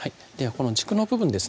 この軸の部分ですね